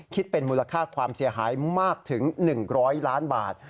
คิดเป็นมูลค่าความเสียหายมากถึง๑๐๐ล้านบาท